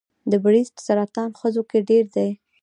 د بریسټ سرطان ښځو کې ډېر دی.